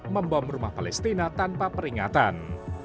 membom rumah palestina tanpa peringatan